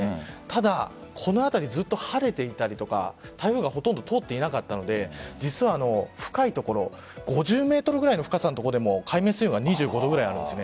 ただ、この辺り晴れていたりとか台風がほとんど通っていなかったので深い所５０メートルぐらいの深さの所でも海面水温が２５度ぐらいあるんです。